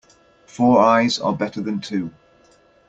Four eyes are better than two.